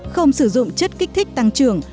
không sử dụng chất kích thích tăng trưởng